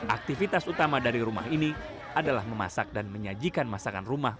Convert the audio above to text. aktivitas utama dari rumah ini adalah memasak dan menyajikan masakan rumah